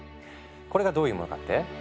これがどういうものかって？